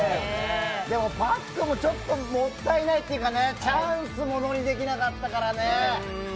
でもパックンもちょっともったいないっていうかチャンスをものにできなかったからね。